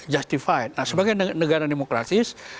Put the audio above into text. justified nah sebagai negara demokratis